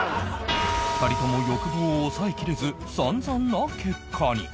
２人とも欲望を抑えきれず散々な結果に